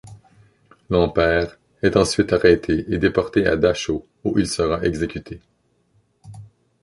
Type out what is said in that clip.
Lampert est ensuite arrêté et déporté à Dachau où il sera exécuté.